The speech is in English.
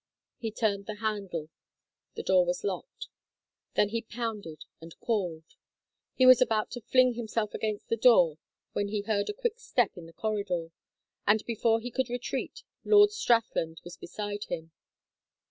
He turned the handle. The door was locked. Then he pounded and called. He was about to fling himself against the door when he heard a quick step in the corridor, and before he could retreat Lord Strathland was beside him.